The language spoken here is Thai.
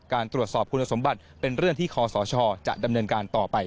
การตรวจสอบคุณสมบัติเป็นเรื่องที่คอสชจะดำเนินการต่อไป